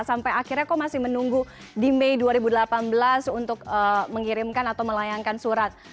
sampai akhirnya kok masih menunggu di mei dua ribu delapan belas untuk mengirimkan atau melayangkan surat